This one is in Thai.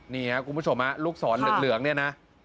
นี่ครับคุณผู้ชมลูกศรเหลืองเนี่ยนะ